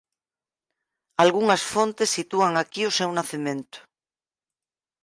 Algunhas fontes sitúan aquí o seu nacemento.